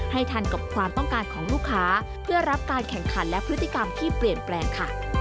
ทันกับความต้องการของลูกค้าเพื่อรับการแข่งขันและพฤติกรรมที่เปลี่ยนแปลงค่ะ